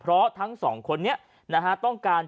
ชาวบ้านญาติโปรดแค้นไปดูภาพบรรยากาศขณะ